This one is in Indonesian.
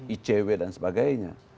icw dan sebagainya